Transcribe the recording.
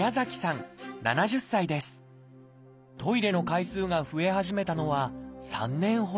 トイレの回数が増え始めたのは３年ほど前。